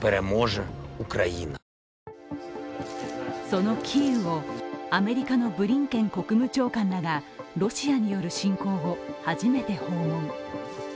そのキーウをアメリカのブリンケン国務長官らがロシアによる侵攻後、初めて訪問。